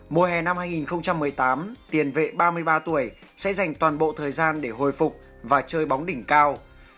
mùa hè năm hai nghìn một mươi tám tiền vệ ba mươi ba tuổi sẽ dành toàn bộ thời gian để hồi phục và chơi bóng đỉnh cao